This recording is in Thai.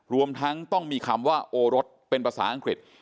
รวมทั้งต้องมีคำว่าโอรสเป็นภาษาอังกฤษ